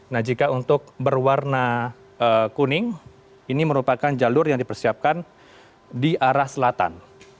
nah jika untuk berwarna kuning ini merupakan jalur yang dipersiapkan di arah selatan